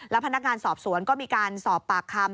พนักงานสอบสวนก็มีการสอบปากคำ